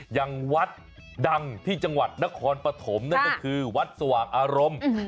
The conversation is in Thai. อย่างวัดดังที่จังหวัดนครปฐมนั่นก็คือวัดสว่างอารมณ์